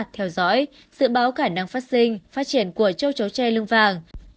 theo dõi dự báo khả năng phát sinh phát triển của châu chấu che lưng vàng